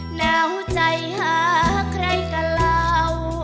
หนาวใจหาใครกับเรา